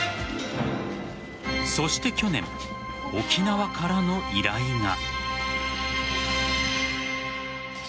そして去年、沖縄からの依頼が。